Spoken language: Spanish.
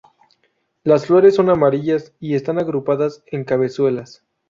Las flores son amarillas y están agrupadas en cabezuelas.